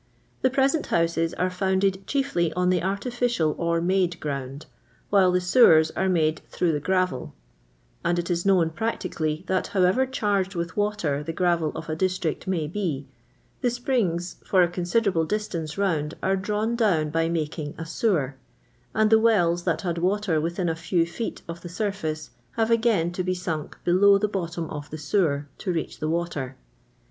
The preaent houses are founded chiefly on the artificial or 'made ground,' while the sewers are made through the gravel ; and it is known practically, that however charged with water the gravel of a district may be, the springs for a coniiderable distance round are drawn down by making a sewer, and ih*; wells that had water within a few feet of the sur &ce have again to be sunk below the bottom of the sewer to reach the water.